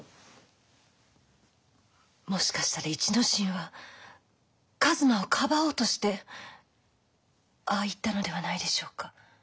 もしかしたら一之進は一馬をかばおうとしてああ言ったのではないでしょうか？